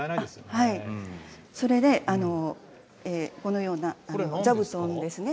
はいこのようなお座布団ですね。